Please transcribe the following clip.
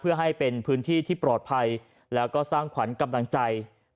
เพื่อให้เป็นพื้นที่ที่ปลอดภัยแล้วก็สร้างขวัญกำลังใจ